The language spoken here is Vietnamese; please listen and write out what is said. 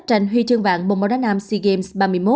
tranh huy chương vạn bộ mô đa nam sea games ba mươi một